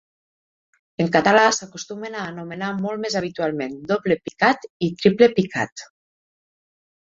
En català s'acostumen a anomenar molt més habitualment doble picat i triple picat.